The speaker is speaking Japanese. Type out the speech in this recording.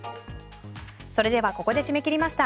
それではここで締め切りました。